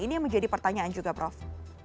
ini yang menjadi pertanyaan juga prof